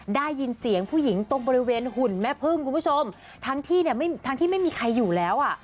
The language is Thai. ได้ยินเสียงผู้หญิงตรงบริเวณหุ่นแม่พึ่งทั้งที่ไม่มีใครอยู่แล้ว